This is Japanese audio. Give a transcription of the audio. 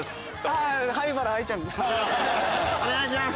お願いします。